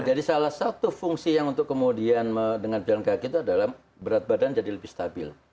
jadi salah satu fungsi yang untuk kemudian dengan berjalan kaki itu adalah berat badan jadi lebih stabil